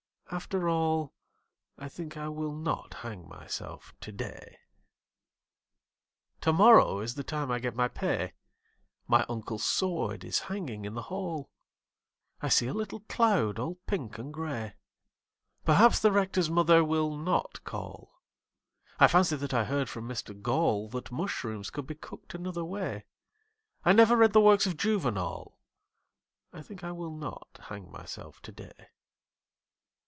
. After all I think I will not hang myself today. Tomorrow is the time I get my pay My uncle's sword is hanging in the hall I see a little cloud all pink and grey Perhaps the Rector's mother will not call I fancy that I heard from Mr Gall That mushrooms could be cooked another way I never read the works of Juvenal I think I will not hang myself today.